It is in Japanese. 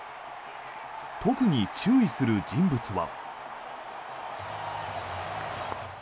特に注意する人物は？